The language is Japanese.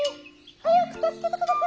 早く助けてくだされ」。